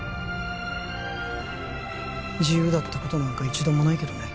自由だったことなんか一度もないけどね